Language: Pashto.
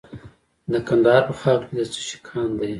د کندهار په خاکریز کې د څه شي کان دی؟